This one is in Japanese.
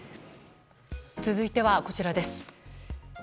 続いては、こちらです。